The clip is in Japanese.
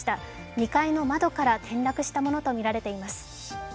２階の窓から転落したものとみられています。